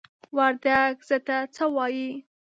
وردگ "ځه" ته "څَ" وايي.